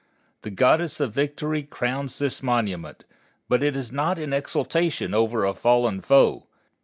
The Goddess of Victory crowns this monument, but it is not in exultation over a fallen foe.